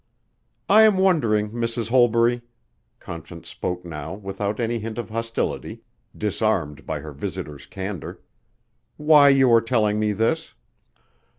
"I am wondering, Mrs. Holbury," Conscience spoke now without any hint of hostility disarmed by her visitor's candor, "why you are telling me this."